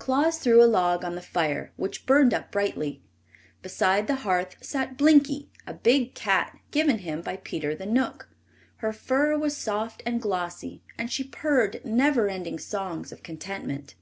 Claus threw a log on the fire, which burned up brightly. Beside the hearth sat Blinkie, a big cat give him by Peter the Knook. Her fur was soft and glossy, and she purred never ending songs of contentment.